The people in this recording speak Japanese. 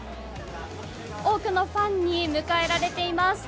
多くのファンに迎えられています。